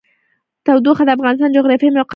تودوخه د افغانستان د جغرافیایي موقیعت پایله ده.